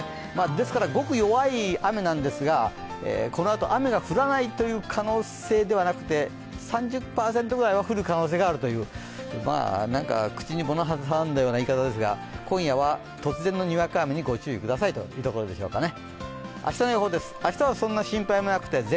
ですからごく弱い雨なんですがこのあと雨が降らないという可能性ではなくて３０％ぐらいは降る可能性があるという、口に物を挟んだような言い方ですが今夜は突然のにわか雨にご注意くださいというところでしょうかね。